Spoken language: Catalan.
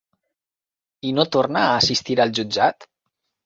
I no tornar a assistir al jutjat?